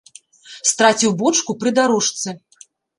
Страціў бочку пры дарожцы!